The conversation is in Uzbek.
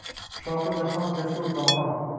Shohi Jahon jasur, dono